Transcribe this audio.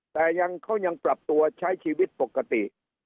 แต่ยังเขายังปรับตัวใช้ชีวิตปกติ